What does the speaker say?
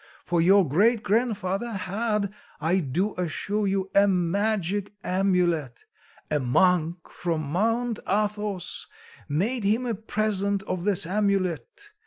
For your great grandfather had, I do assure you, a magic amulet; a monk from Mount Athos made him a present of this amulet.